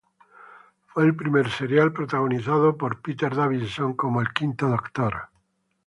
Fue el primer serial protagonizado por Peter Davison como el Quinto Doctor.